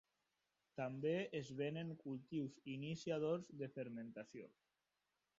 També es venen cultius iniciadors de fermentació.